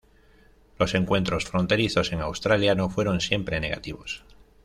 Los encuentros fronterizos en Australia no fueron siempre negativos.